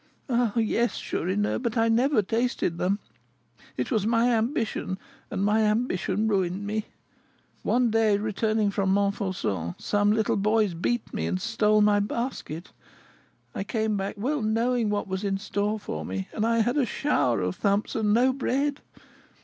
"Ah, yes, Chourineur; but I never tasted them. It was my ambition, and my ambition ruined me. One day, returning from Montfauçon, some little boys beat me and stole my basket. I came back, well knowing what was in store for me; and I had a shower of thumps and no bread.